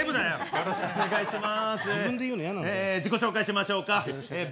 よろしくお願いします